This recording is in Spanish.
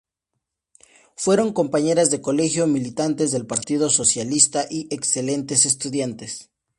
Fueron compañeras de colegio, militantes del Partido Socialista y excelentes estudiantes.